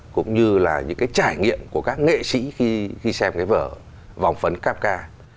cũng như là những cái trải nghiệm của các nghệ sĩ khi xem cái vở vòng vấn cáp ca